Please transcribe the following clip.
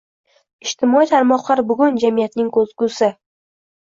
Ijtimoiy tarmoqlar bugun jamiyatning ko‘zgusi.